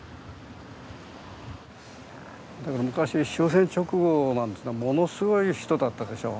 だから昔終戦直後なんていうのはものすごい人だったでしょ